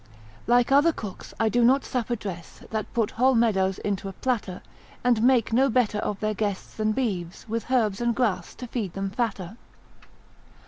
Like other cooks I do not supper dress, That put whole meadows into a platter, And make no better of their guests than beeves, With herbs and grass to feed them fatter.